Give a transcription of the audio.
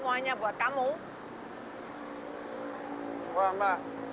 ya ada tapi juga